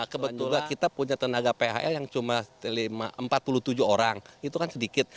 kebetulan kita punya tenaga phl yang cuma empat puluh tujuh orang itu kan sedikit